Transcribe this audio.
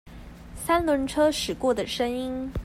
三輪車駛過的聲音